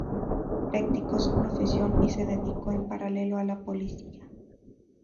Practicó su profesión y se dedicó en paralelo a la política.